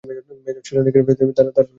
Elvis তার বিড়ালের নাম।